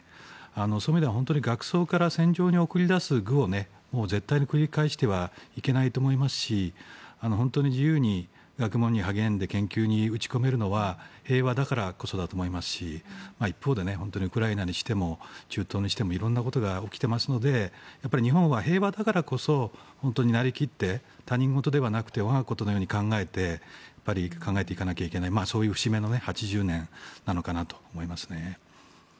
そういう意味では学窓から戦場に送り出す愚を絶対に繰り返してはいけないと思いますし本当に自由に学問に励んで研究に打ち込めるのは平和だからこそだと思いますし一方で本当にウクライナにしても中東にしても色んなことが起きていますので日本は平和だからこそなりきって、他人事ではなくて我がことのように考えていかなきゃいけないそういう節目の８０年なのかなと思いますね。